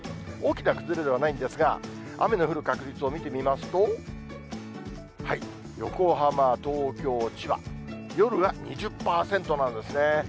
大きな崩れではないんですが、雨の降る確率を見てみますと、横浜、東京、千葉、夜が２０％なんですね。